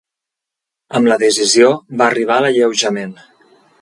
Amb la decisió va arribar l'alleujament.